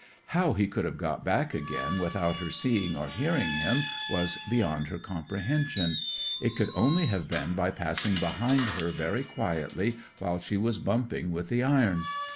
How he could have got back again without her seeing or hearing him was beyond her comprehension. It could only have been by passing behind her very quietly while she was bumping with the iron.